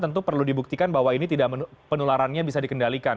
tentu perlu dibuktikan bahwa ini penularannya tidak bisa dikendalikan